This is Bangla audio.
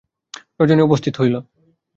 রজনী উপস্থিত হইল।